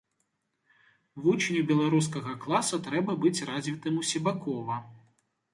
Вучню беларускага класа трэба быць развітым усебакова.